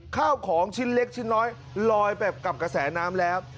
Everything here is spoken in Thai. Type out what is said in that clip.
ข้าวของชิ้นเล็กชิ้นน้อยลอยไปกับกระแสน้ำแล้ว